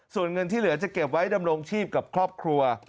ส่วนเงินที่เหลือจะเก็บไว้ดำรงชีพกับครอบครัว